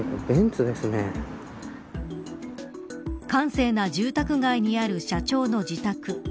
閑静な住宅街にある社長の自宅。